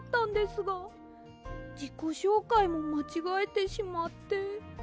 じこしょうかいもまちがえてしまって。